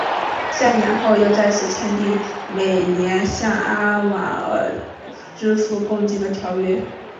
三年后又再次签订每年向阿瓦尔人支付贡金的条约。